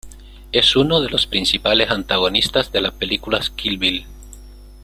Es uno de los principales antagonistas de las películas Kill Bill.